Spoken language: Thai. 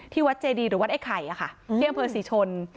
วัดเจดีหรือวัดไอ้ไข่ที่อำเภอศรีชน